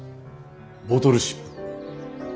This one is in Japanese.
ボトルシップ。